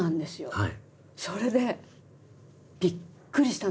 はい。